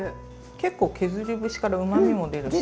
結構削り節からうまみも出るし。